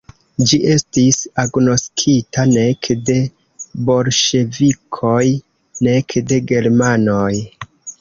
Ĝi estis agnoskita nek de bolŝevikoj, nek de germanoj.